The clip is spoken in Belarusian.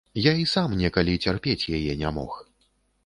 Я і сам, некалі, цярпець яе не мог.